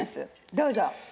どうぞ。